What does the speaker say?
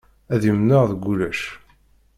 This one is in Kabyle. Ad yemneɛ deg ulac.